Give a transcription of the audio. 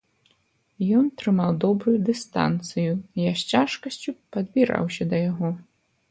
Ён трымаў добрую дыстанцыю, я з цяжкасцю падбіраўся да яго.